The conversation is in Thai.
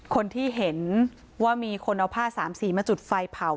คนที่เห็นว่ามีคนเอาผ้าสามสีมาจุดไฟเผา